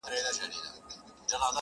ما د حیاء پردو کي پټي غوښتې؛